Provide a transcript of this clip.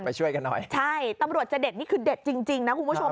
ไปช่วยกันหน่อยใช่ตำรวจจะเด็ดนี่คือเด็ดจริงจริงนะคุณผู้ชม